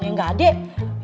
ya gak deh